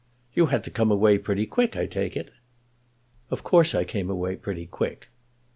"You had to come away pretty quick, I take it." "Of course I came away pretty quick."